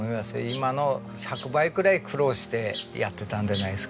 今の１００倍くらい苦労してやってたんでないですかね。